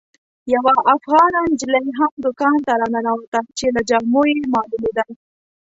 یوه افغانه نجلۍ هم دوکان ته راننوته چې له جامو یې معلومېده.